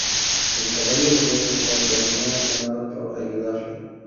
El caballo lo ve flotar, pero no hace nada por ayudarle.